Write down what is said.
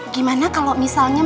gimana kalau misalnya